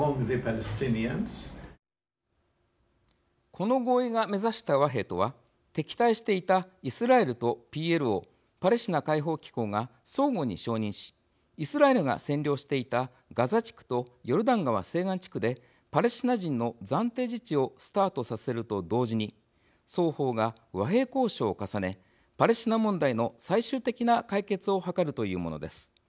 この合意が目指した和平とは敵対していたイスラエルとＰＬＯパレスチナ解放機構が相互に承認しイスラエルが占領していたガザ地区とヨルダン川西岸地区でパレスチナ人の暫定自治をスタートさせると同時に双方が和平交渉を重ねパレスチナ問題の最終的な解決を図るというものです。